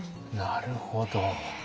なるほど。